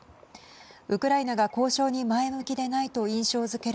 ウクライナが交渉に前向きでないと印象づける